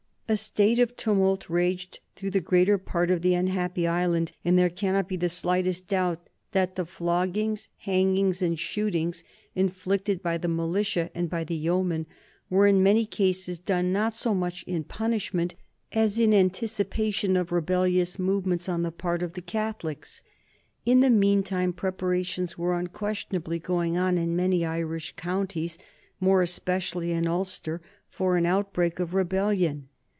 A state of tumult raged through the greater part of the unhappy island, and there cannot be the slightest doubt that the floggings, hangings, and shootings inflicted by the militia and by the yeomen were in many cases done not so much in punishment as in anticipation of rebellious movements on the part of the Catholics. In the mean time preparations were unquestionably going on in many Irish counties, more especially in Ulster, for an outbreak of rebellion.